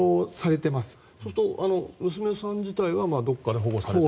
そうすると娘さん自体はどこかで保護されて？